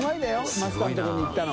マスターの所に行ったの。